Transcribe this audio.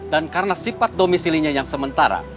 dan karena sifat domisilinya yang sementara